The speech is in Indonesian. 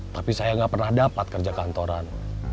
tapi saya nggak pernah dapat kerja kantoran